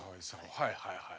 はいはいはい。